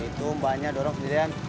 itu mbaknya dorong sidiran